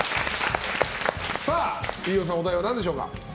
飯尾さん、お題は何でしょうか？